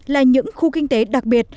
là những khu kinh tế đặc biệt